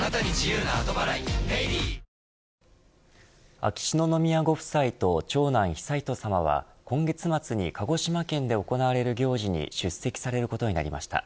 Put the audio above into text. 秋篠宮ご夫妻と長男悠仁さまは今月末に鹿児島県で行われる行事に出席されることになりました。